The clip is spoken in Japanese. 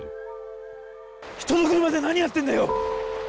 人の車で何やってんだよ！